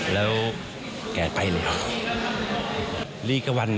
แล้วแกไปเลย